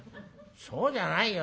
そうじゃないよ。